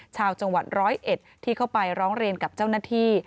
ชาวจังหวัดร้อยเอ็ดที่เข้าไปร้องเรียนกับเจ้าหน้าที่